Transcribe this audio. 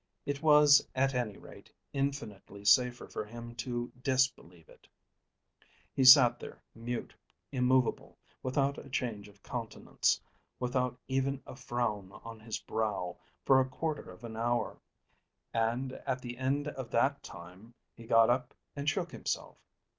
It was at any rate infinitely safer for him to disbelieve it. He sat there mute, immovable, without a change of countenance, without even a frown on his brow, for a quarter of an hour; and at the end of that time he got up and shook himself.